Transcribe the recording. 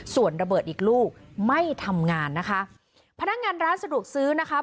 ส่วนระเบิดอีกลูกไม่ทำงานนะคะพนักงานร้านสะดวกซื้อนะคะ